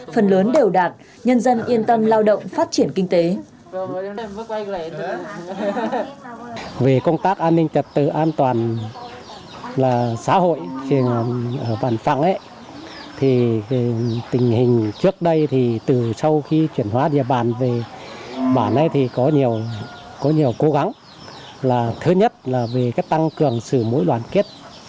phần lớn đều đạt nhân dân yên tâm lao động phát triển kinh tế